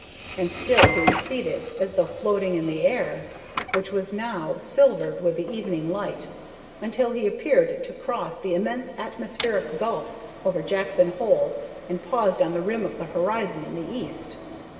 And still he receded, as though floating in the air, which was now silvered with the evening light, until he appeared to cross the immense atmospheric gulf over Jackson's Hole and paused on the rim of the horizon in the east.